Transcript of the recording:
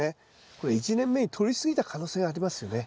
これ１年目にとりすぎた可能性がありますよね。